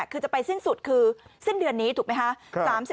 คือจะไปสิ้นสุดคือสิ้นเดือนนี้ถูกไหมคะ